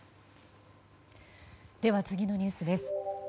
では次のニュースです。